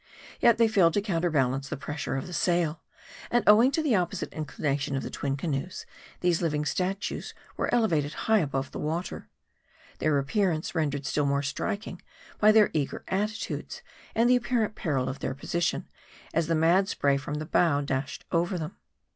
Yet they failed to counterbalance the pressure of the sail ; and owing to the opposite inclination of the twin canoes, these living statues were elevated high above the water ; their appear ance rendered still more striking by their eager attitudes, and the apparent peril of their position, as the mad spray from the bow dashed over them.